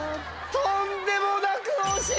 とんでもなく惜しい！